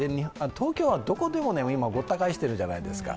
東京はどこでも今、ごった返してるじゃないですか。